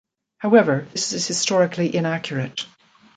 However, this is historically inaccurate.